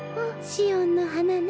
シオンのはなね。